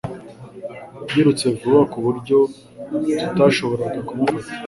Yirutse vuba ku buryo tutashoboraga kumufata.